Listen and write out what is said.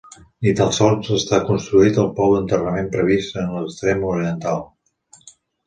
Ni tan sols està construït el pou d'enterrament previst en l'extrem oriental.